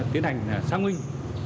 tiến hành xác minh